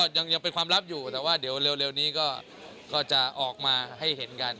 ยังเป็นความลับอยู่แต่ว่าเดี๋ยวเร็วนี้ก็จะออกมาให้เห็นกัน